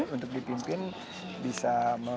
untuk dipimpin bisa